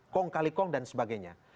kong kali kong dan sebagainya